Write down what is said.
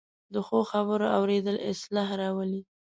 د ښو خبرو اورېدل اصلاح راولي